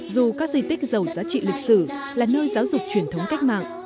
dù các di tích giàu giá trị lịch sử là nơi giáo dục truyền thống cách mạng